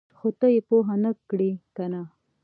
ـ خو ته یې پوهه نه کړې کنه!